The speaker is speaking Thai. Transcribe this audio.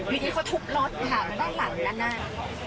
อยู่นี้เขาทุบรถค่ะด้านหลังนั้น